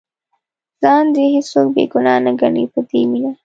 ځان دې هېڅوک بې ګناه نه ګڼي په دې مینه.